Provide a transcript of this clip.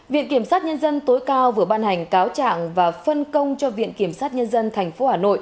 viện kiểm sát nhân dân tối cao vừa ban hành cáo trạng và phân công cho viện kiểm sát nhân dân tp hà nội